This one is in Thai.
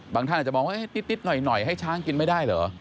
ท่านอาจจะมองว่านิดหน่อยให้ช้างกินไม่ได้เหรอ